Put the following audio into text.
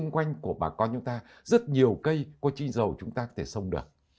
quanh của bà con chúng ta rất nhiều cây có chi dầu chúng ta có thể sông được